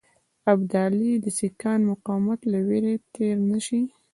ابدالي د سیکهانو مقاومت له وېرې تېر نه شي.